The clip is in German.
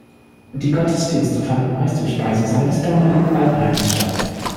Die Gottesdienste fanden meist im Speisesaal des damaligen Altenheimes statt.